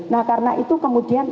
nah karena itu kemudian